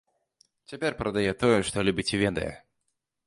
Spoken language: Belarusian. Цяпер прадае тое, што любіць і ведае.